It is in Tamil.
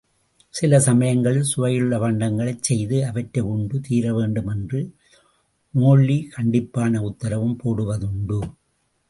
சில சமயங்களில் சுவையுள்ள பண்டங்களைச் செய்து, அவற்றை உண்டு தீர வேண்டும் என்று மோல்லி கண்டிப்பான உத்தரவும் போடுவதுண்டு.